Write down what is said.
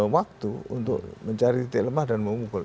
waktu untuk mencari titik lemah dan memukul